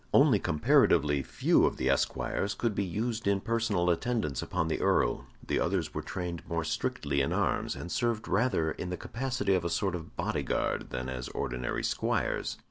Only comparatively few of the esquires could be used in personal attendance upon the Earl; the others were trained more strictly in arms, and served rather in the capacity of a sort of body guard than as ordinary squires.